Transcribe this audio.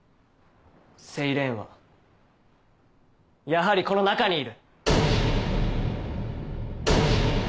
セイレーンはやはりこの中にいる！